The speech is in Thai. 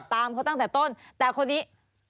ตามเขาตั้งแต่ต้นแต่คนนี้